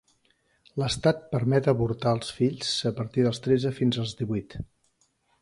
L'Estat permet avortar els fills a partir dels tretze fins als divuit.